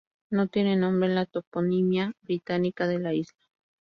No tiene nombre en la toponimia británica de la isla.